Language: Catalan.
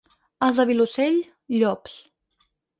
Els del Vilosell, llops.